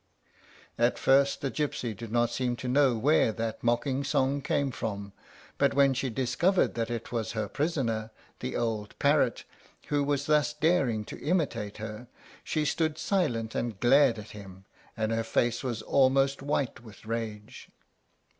At first the gypsy did not seem to know where that mocking song came from, but when she discovered that it was her prisoner, the old parrot, who was thus daring to imitate her, she stood silent and glared at him, and her face was almost white with rage.